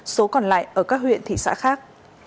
số còn lại ở các huyện thị xã khác